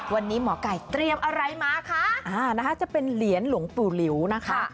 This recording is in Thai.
วันนี้หมอไก่เตรียมอะไรมาคะนะคะจะเป็นเหรียญหลวงปู่หลิวนะคะ